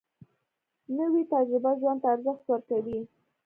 نوې تجربه ژوند ته ارزښت ورکوي